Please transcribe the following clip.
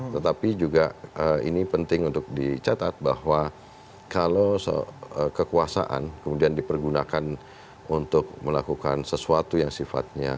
tetapi juga ini penting untuk dicatat bahwa kalau kekuasaan kemudian dipergunakan untuk melakukan sesuatu yang sifatnya